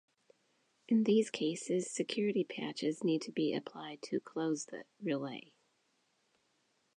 In these cases, security patches need to be applied to close the relay.